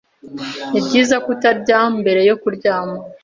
Nibyiza ko utarya mbere yo kuryama.